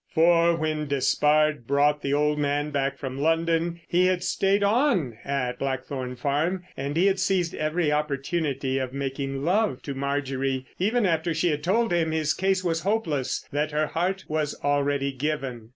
For when Despard brought the old man back from London, he had stayed on at Blackthorn Farm, and he had seized every opportunity of making love to Marjorie—even after she had told him his case was hopeless, that her heart was already given.